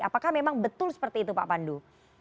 apakah memang betul seperti itu pak pandu